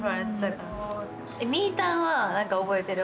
みーたんはなんか覚えてる。